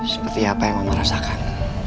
seperti apa yang mama rasakan